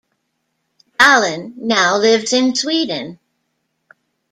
Dahlin now lives in Sweden.